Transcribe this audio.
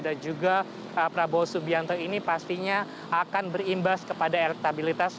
dan prabowo subianto ini pastinya akan berimbas kepada elektabilitas